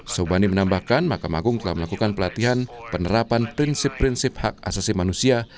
sobandi menambahkan mahkamah agung telah melakukan pelatihan penerapan prinsip prinsip hak asasi manusia